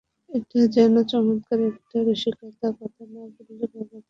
এটা যেন চমৎকার একটা রসিকতা, কথা না-বলে বাবাকে বোকা বানানো।